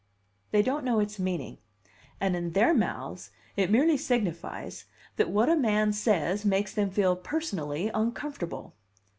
They don't know its meaning, and in their mouths it merely signifies that what a man says snakes them feel personally uncomfortable.